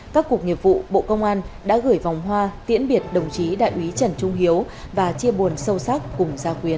các cục nghiệp vụ bộ công an đã gửi vòng hoa tiễn biệt đồng chí đại úy trần trung hiếu và chia buồn sâu sắc cùng gia quyến